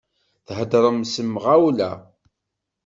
Theddṛem s lemɣawla.